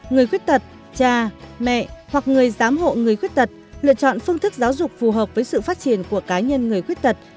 ba người khuyết tật cha mẹ hoặc người giám hộ người khuyết tật lựa chọn phương thức giáo dục phù hợp với sự phát triển của cá nhân người khuyết tật